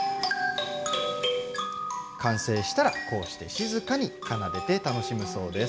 完成したらこうして静かに奏でて楽しむそうです。